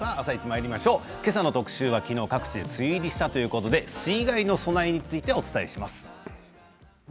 けさの特集はきのう各地で梅雨入りしたということで水害の備えについてお伝えします。